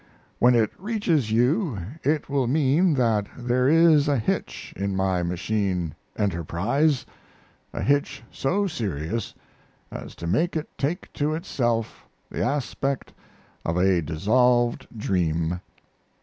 When it reaches you it will mean that there is a hitch in my machine enterprise a hitch so serious as to make it take to itself the aspect of a dissolved dream.